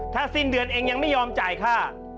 ถ้าสิ้นเดือนเองยังไม่ยอมจ่ายค่า